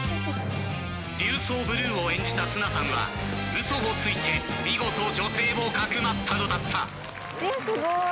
［リュウソウブルーを演じた綱さんは嘘をついて見事女性をかくまったのだった］